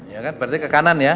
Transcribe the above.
ya kan berarti ke kanan ya